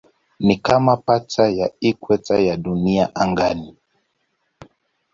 Ni kama pacha ya ikweta ya Dunia angani.